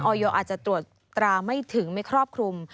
อาจจะตรวจตราไม่ถึงไม่ครอบคลุม